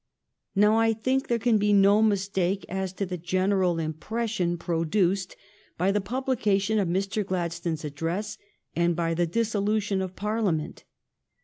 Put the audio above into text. Now I think there can be no mistake as to the general impression produced by the publication of Mr. Gladstone's address, and by the dissolution of Parliament.